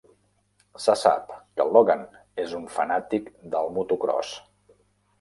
Se sap que Logan és un fanàtic del motocròs.